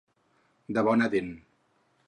De bona dent.